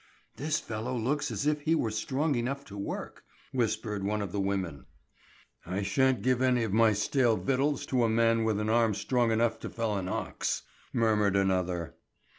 "This fellow looks as if he were strong enough to work," whispered one of the women. "I shan't give any of my stale victuals to a man with an arm strong enough to fell an ox," murmured another.